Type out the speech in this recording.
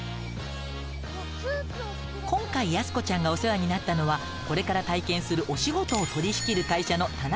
今回やす子ちゃんがお世話になったのはこれから体験するお仕事を取り仕切る会社の田中社長。